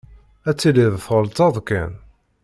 Ad tiliḍ tɣelṭeḍ kan.